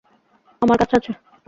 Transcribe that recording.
আমার কাছে আছে।